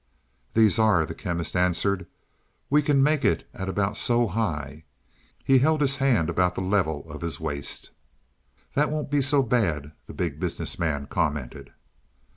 "These are," the Chemist answered. "We can make it at about so high." He held his hand about the level of his waist. "That won't be so bad," the Big Business Man commented.